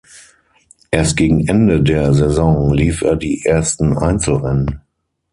Erst gegen Ende der Saison lief er die ersten Einzelrennen.